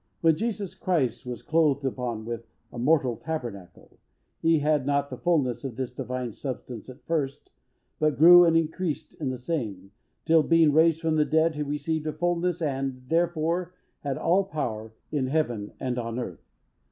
When Jesus Christ was clothed upon with a mortal tabernacle, he had not the fulness of this divine substance at the first, but grew and increased in the same, till, being raised from the dead, he received a fulness and, therefore, had all power, in heaven and on earth.